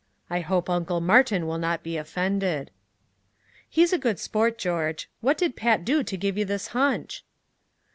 I hope Uncle Martin will not be offended." "He's a good sport, George. But say what did Pat do to give you this hunch?"